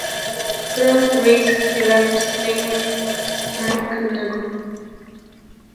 From this day forward, let no human make war upon any other human.